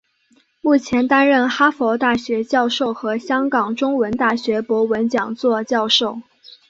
目前担任哈佛大学教授和香港中文大学博文讲座教授。